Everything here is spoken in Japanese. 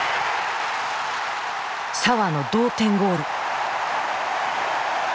澤の同点ゴール。